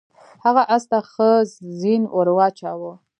هغه اس ته ښه زین ور واچاوه.